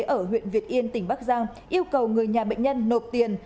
ở huyện việt yên tỉnh bắc giang yêu cầu người nhà bệnh nhân nộp tiền